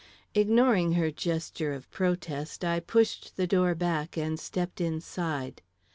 Ignoring her gesture of protest, I pushed the door back and stepped inside.